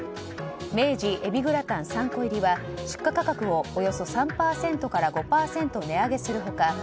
明治えびグラタン３個入は出荷価格をおよそ３％から５％値上げする他